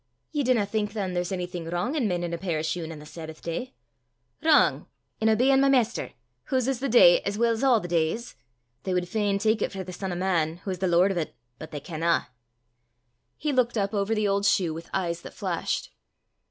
"Ye dinna think, than, there's onything wrang in men'in' a pair o' shune on the Sabbath day?" "Wrang! in obeyin' my Maister, whase is the day, as weel 's a' the days? They wad fain tak it frae the Son o' Man, wha's the lord o' 't, but they canna!" He looked up over the old shoe with eyes that flashed.